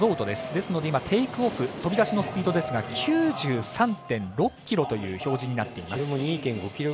ですので、テイクオフ飛び出しのスピードですが９３．６キロという表示になっています。